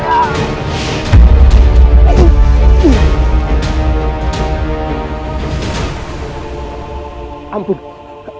tidak ada yang bisa mengangkat itu